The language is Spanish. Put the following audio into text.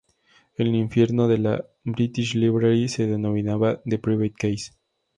El infierno de la British Library se denominaba "The Private Case".